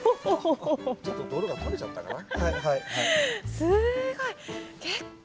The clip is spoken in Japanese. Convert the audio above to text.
ちょっと泥が取れちゃったかな？